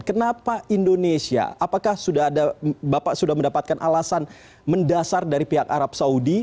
kenapa indonesia apakah sudah ada bapak sudah mendapatkan alasan mendasar dari pihak arab saudi